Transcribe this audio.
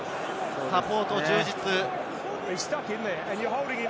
サポート充実。